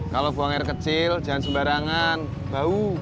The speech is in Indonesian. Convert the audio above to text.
kalau buang air kecil jangan sembarangan bau